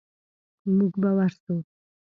موږ به ورسو.